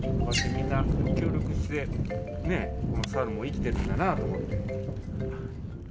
みんな協力してねぇ、サルも生きてるんだなと思って。